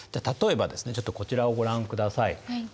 例えばですねちょっとこちらをご覧ください。